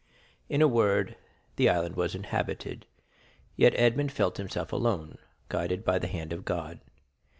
In a word, the island was inhabited, yet Edmond felt himself alone, guided by the hand of God.